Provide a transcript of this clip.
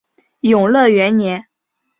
永乐元年。